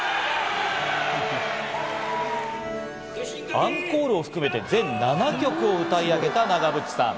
アンコールを含めて全７曲を歌い上げた長渕さん。